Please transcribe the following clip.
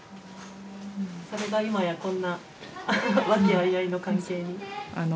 それが今やこんな和気あいあいの関係に。